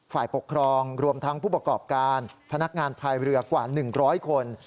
ฝ่ายปกครองรวมทั้งผู้ประกอบการพนักงานภายเรือกว่า๑๐๐คน